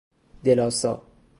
دلاسا